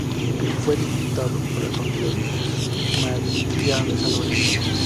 Fue diputado por el partido de Melquiades Álvarez.